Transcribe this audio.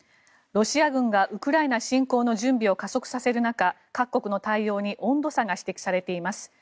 ロシア軍がウクライナ侵攻の準備を加速させる中各国の対応に温度差が指摘されています。